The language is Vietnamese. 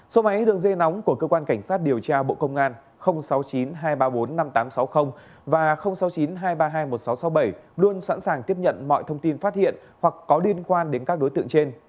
số máy đường dây nóng của cơ quan cảnh sát điều tra bộ công an sáu mươi chín hai trăm ba mươi bốn năm nghìn tám trăm sáu mươi và sáu mươi chín hai trăm ba mươi hai một nghìn sáu trăm sáu mươi bảy luôn sẵn sàng tiếp nhận mọi thông tin phát hiện hoặc có liên quan đến các đối tượng trên